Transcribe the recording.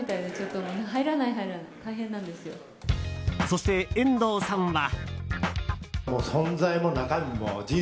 そして、遠藤さんは。